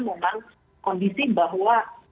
memang kondisi bahwa